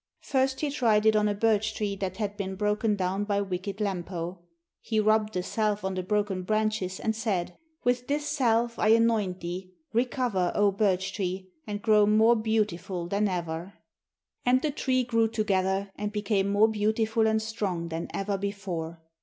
First he tried it on a birch tree that had been broken down by wicked Lempo. He rubbed the salve on the broken branches and said: 'With this salve I anoint thee, recover, O birch tree, and grow more beautiful than ever!' And the tree grew together and became more beautiful and strong than ever before.